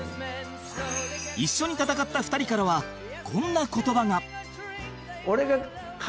一緒に戦った２人からはこんな言葉が